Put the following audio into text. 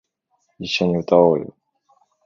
一緒に歌おうよ